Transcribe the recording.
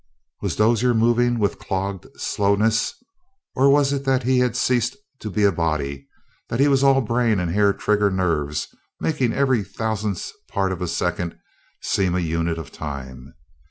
Was Dozier moving with clogged slowness, or was it that he had ceased to be a body, that he was all brain and hair trigger nerves making every thousandth part of a second seem a unit of time?